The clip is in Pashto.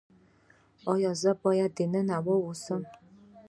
ایا زه باید دننه اوسم؟